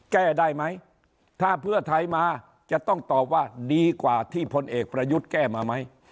แก้ได้ไหมถ้าเพื่อไทยมาจะต้องตอบว่าดีกว่าที่พลเอกประยุทธ์แก้มาไหม